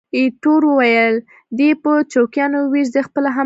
ایټور وویل: دی یې په چوکیانو وویشت، زه خپله همالته وم.